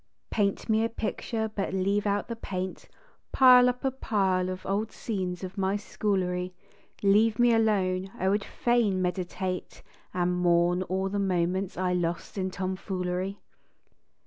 Paint me a picture but leave out the paint, Pile up a pile of old scenes of my schoolery, Leave me alone ; I would fain meditate And mourn o er the moments I lost in tomfoolery.